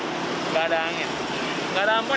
tata bangnya gak ada ampun